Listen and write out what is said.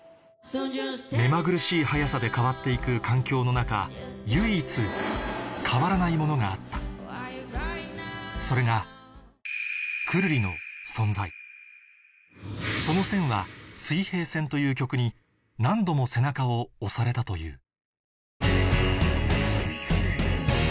目まぐるしい速さで変わって行く環境の中唯一変わらないものがあったそれがくるりの存在という曲に何度も背中を押されたという